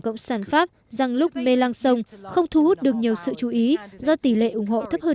cộng sản pháp jean luc mélenchon không thu hút được nhiều sự chú ý do tỷ lệ ủng hộ thấp hơn